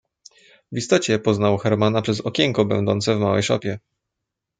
"W istocie poznał Hermana przez okienko będące w małej szopie."